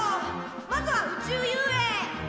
まずは宇宙遊泳！